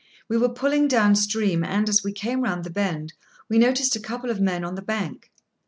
We were pulling down stream, and, as we came round the bend, we noticed a couple of men on the bank.